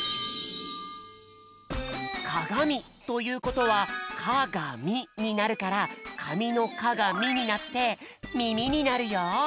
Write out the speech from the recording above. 「かがみ」ということは「か」が「み」になるから「かみ」の「か」が「み」なって「みみ」になるよ。